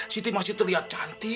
siti masih terlihat cantik